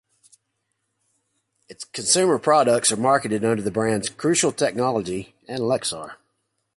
Its consumer products are marketed under the brands Crucial Technology and Lexar.